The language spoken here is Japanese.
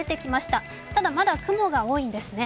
ただ、まだ雲が多いんですね。